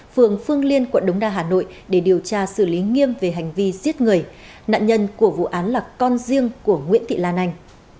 phường phương liên quận đống đa hà nội để điều tra xử lý nghiêm về hành vi giết người nạn nhân của vụ án là con riêng của nguyễn thị lan anh